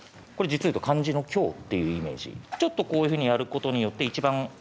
これ実を言うとちょっとこういうふうにやることによって一番。